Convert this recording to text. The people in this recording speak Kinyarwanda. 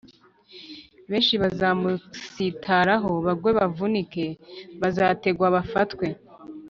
benshi bazamusitaraho bagwe bavunike, bazategwa bafatwe